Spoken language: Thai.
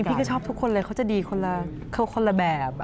พี่ก็ชอบทุกคนเลยเขาจะดีคนละแบบ